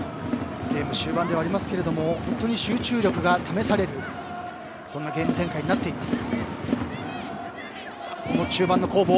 ゲーム終盤ではありますが本当に集中力が試されるゲーム展開になっています。